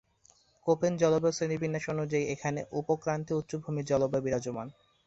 Copen জলবায়ু শ্রেণীবিন্যাস অনুযায়ী এখানে উপক্রান্তীয় উচ্চভূমি জলবায়ু বিরাজমান।